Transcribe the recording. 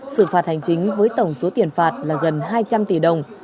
xử phạt hành chính với tổng số tiền phạt là gần hai trăm linh tỷ đồng